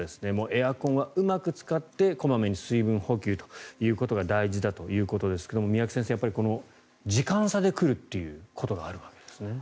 エアコンはうまく使って小まめに水分補給ということが大事だということですが三宅先生、時間差で来るということがあるわけですね。